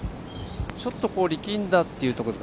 ちょっと力んだというところですか。